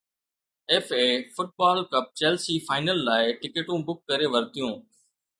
FA football cup Chelsea final لاءِ ٽڪيٽون book ڪري ورتيون